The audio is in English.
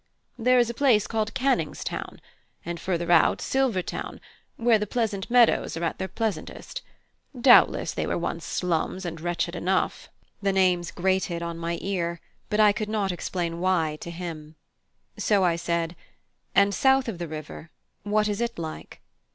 There is a place called Canning's Town, and further out, Silvertown, where the pleasant meadows are at their pleasantest: doubtless they were once slums, and wretched enough." The names grated on my ear, but I could not explain why to him. So I said: "And south of the river, what is it like?"